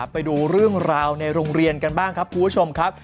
ไปดูเรื่องราวในโรงเรียนกันบ้างครับคุณผู้ชมครับ